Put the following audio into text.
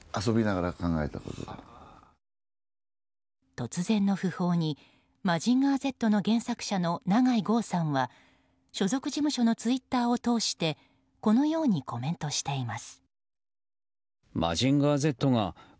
突然の訃報に「マジンガーＺ」の原作者の永井豪さんは所属事務所のツイッターを通してこのようにコメントしています。